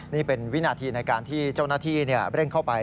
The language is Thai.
นี่เป็นวินาทีในการที่เจ้าหน้าที่เร่งเข้าไป